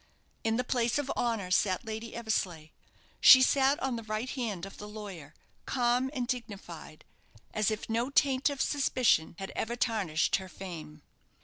In the place of honour sat Lady Eversleigh. She sat on the right hand of the lawyer, calm and dignified, as if no taint of suspicion had ever tarnished her fame.